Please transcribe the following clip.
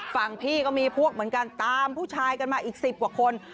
ฝั่งพี่ก็มีพวกเหมือนกันตามผู้ชายกันมาอีก๑๐กว่าคน